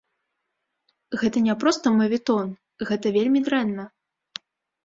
Гэта не проста маветон, гэта вельмі дрэнна.